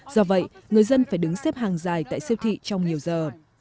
do vậy người dân phải đứng xếp hàng dài tại siêu thị trong nhiều giờ